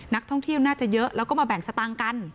นักท่องเที่ยวน่าจะเยอะแล้วก็มาแบ่งสตางค์กัน